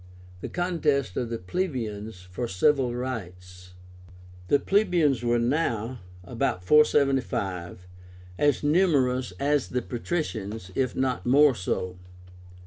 THE CONTEST OF THE PLEBEIANS FOR CIVIL RIGHTS. The plebeians were now (about 475) as numerous as the patricians, if not more so.